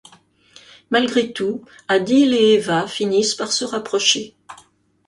Malgré tout, Adil et Eva finissent par se rapprocher.